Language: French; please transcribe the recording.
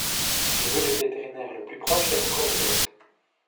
Je veux le vétérinaire le plus proche et encore ouvert.